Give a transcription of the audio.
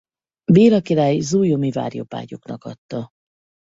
Béla király zólyomi várjobbágyoknak adta.